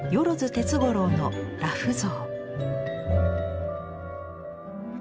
鉄五郎の裸婦像。